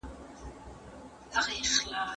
د دربار له دروېشانو سره څه دي؟